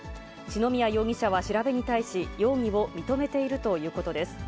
篠宮容疑者は調べに対し、容疑を認めているということです。